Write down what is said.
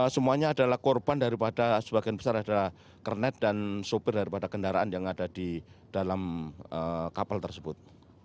semuanya adalah korban daripada sebagian besar adalah kernet dan sopir daripada kendaraan yang ada di dalam kapal tersebut